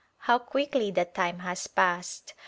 How quickly the time has passed